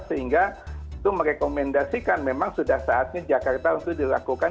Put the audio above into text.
sehingga itu merekomendasikan memang sudah saatnya jakarta untuk dilakukan